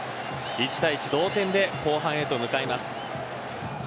１対１同点で後半へと向かいます。